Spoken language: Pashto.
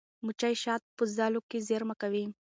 مچۍ شات په ځالو کې زېرمه کوي.